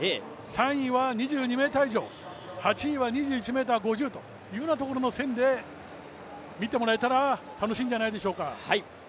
３位は２２ｍ以上、８位は２１ｍ５０というところの線で見てもらえたら楽しいんじゃないでしょうか。